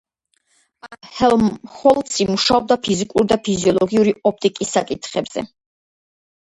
პარალელურად ჰელმჰოლცი მუშაობდა ფიზიკური და ფიზიოლოგიური ოპტიკის საკითხებზე.